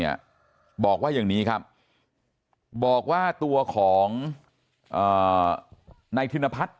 บอกว่าอย่างนี้ครับบอกว่าตัวของนายธินพัฒน์